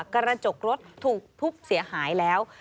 กระจกรถถูกทุบเสียหายแล้ว